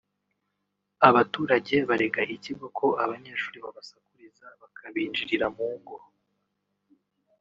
abaturage barega ikigo ko abanyeshuri babasakuriza bakabinjirira mu ngo